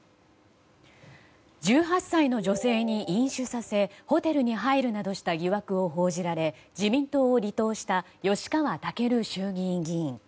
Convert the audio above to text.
１８歳の女性に飲酒させホテルに入るなどした疑惑を報じられ自民党を離党した吉川赳衆議院議員。